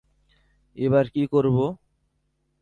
এবার কি করব?